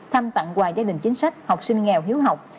thăm tặng quà gia đình chính sách học sinh nghèo hiếu học